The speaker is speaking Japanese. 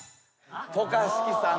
渡嘉敷さん。